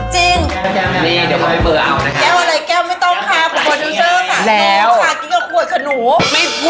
จริง